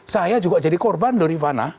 saya juga jadi korban dari vana